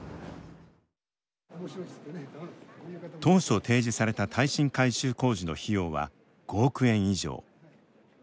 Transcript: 当初提示された耐震改修工事の費用は５億円以上。